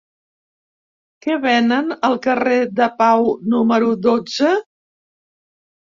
Què venen al carrer de Pau número dotze?